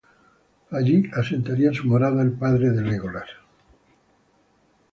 Allí asentaría su morada el padre de Legolas.